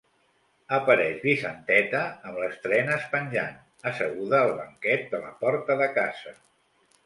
Apareix Vicenteta amb les trenes penjant, asseguda al banquet de la porta de casa.